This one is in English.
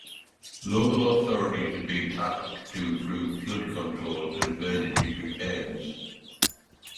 Local authorities have been tasked to improve flood controls and emergency preparedness.